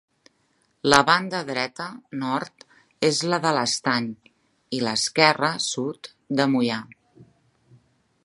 La banda dreta -nord- és la de l'Estany, i l'esquerra -sud, de Moià.